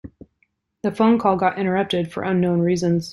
The phone call got interrupted for unknown reasons.